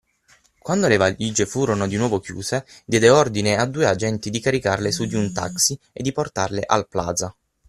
Quando le valige furono di nuovo chiuse, diede ordine a due agenti di caricarle su di un taxi e di portarle al Plaza.